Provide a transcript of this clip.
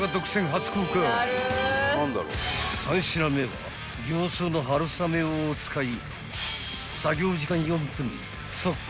［３品目は業スーのはるさめを使い］